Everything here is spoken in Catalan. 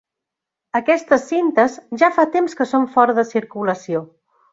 Aquestes cintes ja fa temps que són fora de circulació.